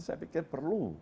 saya pikir perlu